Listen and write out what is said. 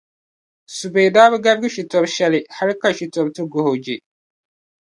Subee daa bi garigi Shitobu shɛli hali ka Shitobu ti guhi o je.